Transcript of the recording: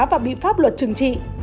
và bị pháp luật trừng trị